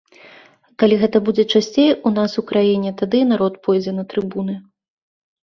Калі гэта будзе часцей у нас у краіне, тады і народ пойдзе на трыбуны.